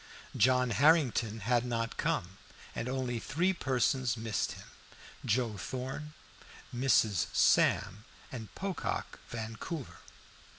John Harrington had not come, and only three persons missed him Joe Thorn, Mrs. Sam, and Pocock Vancouver.